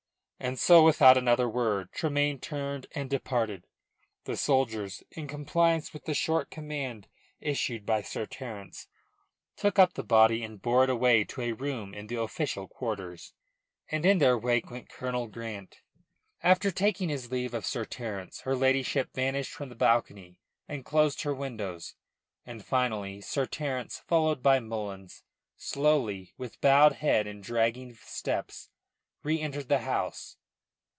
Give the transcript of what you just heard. And so, without another word, Tremayne turned and departed. The soldiers, in compliance with the short command issued by Sir Terence, took up the body and bore it away to a room in the official quarters; and in their wake went Colonel Grant, after taking his leave of Sir Terence. Her ladyship vanished from the balcony and closed her windows, and finally Sir Terence, followed by Mullins, slowly, with bowed head and dragging steps, reentered the house.